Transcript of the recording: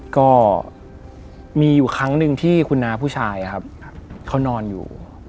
ก็มีอยู่ครั้งหนึ่งที่คุณน้าผู้ชายครับเขานอนอยู่